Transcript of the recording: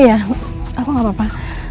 iya aku gak apa apa